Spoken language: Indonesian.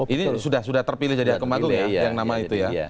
ini sudah terpilih jadi hakim agung ya yang nama itu ya